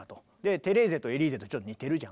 「テレーゼ」と「エリーゼ」とちょっと似てるじゃん。